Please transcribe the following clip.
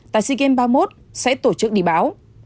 tại sea games ba mươi một sẽ tổ chức đi báo